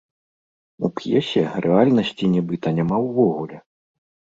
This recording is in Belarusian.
У п'есе рэальнасці нібыта няма ўвогуле.